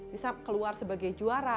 bisa keluar sebagai juara